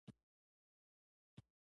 زړه د مینې ټیکری دی.